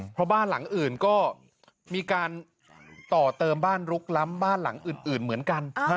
เพราะบ้านหลังอื่นก็มีการต่อเติมบ้านลุกล้ำบ้านหลังอื่นเหมือนกัน